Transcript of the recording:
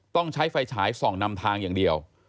ต้องใช้ไฟฉายส่องนำทางอย่างเดียว